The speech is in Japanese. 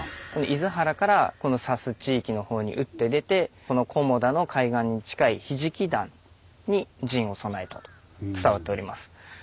厳原からこの佐須地域のほうに討って出てこの小茂田の海岸に近い「ひじきだん」に陣を備えたと伝わっております。